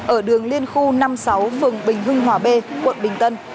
ở đường liên khu năm mươi sáu phường bình hưng hòa b quận bình tân